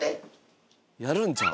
やるんちゃう？